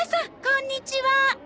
こんにちは。